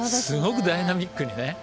すごくダイナミックにね。